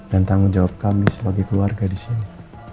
dan tanggung jawab kami sebagai keluarga di sini